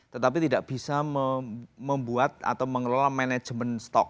tetapi tidak bisa membuat atau mengelola manajemen stok